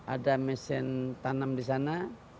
ada mesin tanam di sana